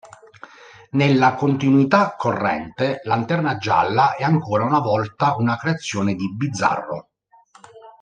Nella continuità corrente, Lanterna Gialla è ancora una volta una creazione di Bizzarro.